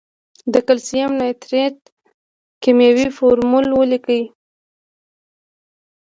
د کلسیم نایتریت کیمیاوي فورمول ولیکئ.